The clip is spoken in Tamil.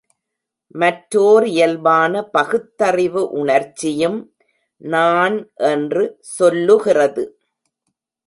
மற்றோர் இயல்பான பகுத்தறிவு உணர்ச்சியும் நான் என்று சொல்லுகிறது.